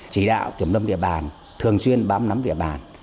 chỉ đạo kiểm lâm địa bàn thường xuyên bám nắm địa bàn